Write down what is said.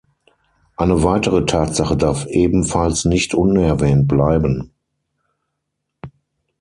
Eine weitere Tatsache darf ebenfalls nicht unerwähnt bleiben.